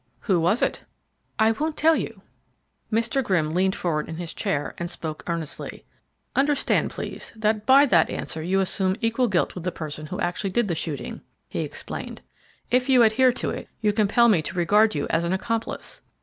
"Who was it?" "I won't tell you." Mr. Grimm leaned forward in his chair, and spoke earnestly. "Understand, please, that by that answer you assume equal guilt with the person who actually did the shooting," he explained. "If you adhere to it you compel me to regard you as an accomplice."